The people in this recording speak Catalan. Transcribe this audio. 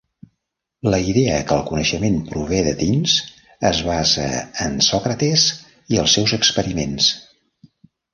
La idea que el coneixement prové de dins es basa en Sòcrates i els seus experiments.